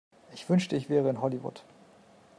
Ich wünschte ich wäre in Hollywood.